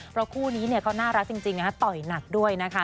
เพราะคู่นี้เขาน่ารักจริงต่อยหนักด้วยนะคะ